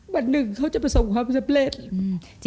วันหนึ่งเขาจะประสบความสำเร็จ